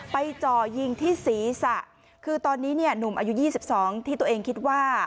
จ่อยิงที่ศีรษะคือตอนนี้เนี่ยหนุ่มอายุ๒๒ที่ตัวเองคิดว่า